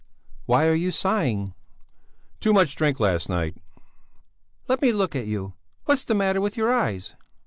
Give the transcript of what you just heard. "Why are you sighing?" "Too much drink last night!" "Let me look at you! What's the matter with your eyes?"